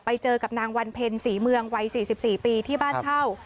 ไปเจอกับนางวันเพ็ญศรีเมืองวัย๔๔ปีที่บ้านเช่า